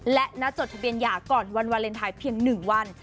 และนัดจดทะเบียนหย่าก่อนวันวาเลนไทยเพียง๑วัน